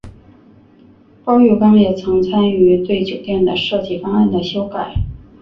包玉刚也曾参与对酒店的设计方案的修改。